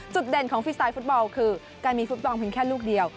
เด่นของฟีสไตล์ฟุตบอลคือการมีฟุตบอลเพียงแค่ลูกเดียว